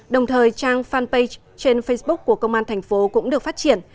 đồng thời trang fanpage trên facebook của công an thành phố cũng được phát triển